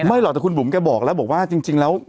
ไม่หรอกแต่คุณบุ๋มแกบอกแล้วบอกว่าจริงแล้ว